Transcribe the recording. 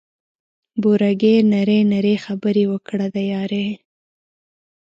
بوره ګي نري نري خبري وکړه د یاري